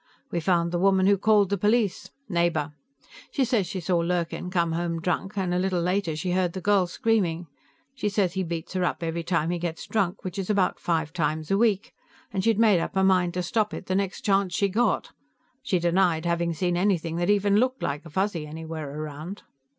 "We found the woman who called the police. Neighbor; she says she saw Lurkin come home drunk, and a little later she heard the girl screaming. She says he beats her up every time he gets drunk, which is about five times a week, and she'd made up her mind to stop it the next chance she got. She denied having seen anything that even looked like a Fuzzy anywhere around."